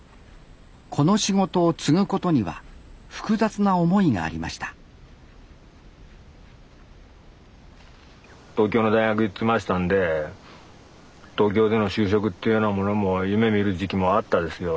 この仕事を継ぐことには複雑な思いがありました東京の大学行ってましたんで東京での就職っていうようなものも夢みる時期もあったですよ